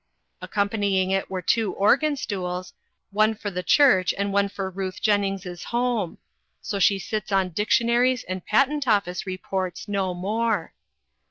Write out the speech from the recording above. Accompanying it were two organ stools, one for the church and one for Ruth Jen nings' home ; so she sits on dictionaries and Patent Office Reports no more.